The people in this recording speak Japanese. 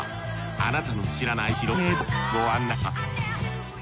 あなたの知らない白金へとご案内します